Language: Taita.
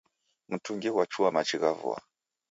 Mtungi ghwachua machi gha vua